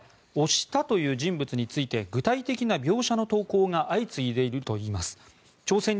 更にＳＮＳでは押したという人物について具体的な描写の投稿が相次いでいるといいます。